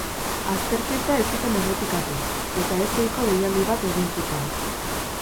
Azterketa ez zuten errepikatu, eta ezohiko deialdi bat egin zuten.